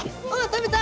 食べた！